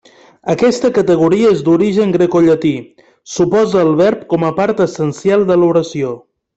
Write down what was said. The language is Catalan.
Aquesta categoria és d'origen grecollatí, s'oposa al verb com a part essencial de l'oració.